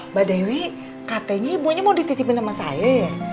mbak dewi katanya ibunya mau dititipin sama saya ya